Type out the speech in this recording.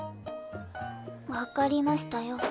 わかりましたよ。